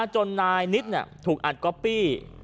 จนนายนิดถูกอัดก๊อปปี้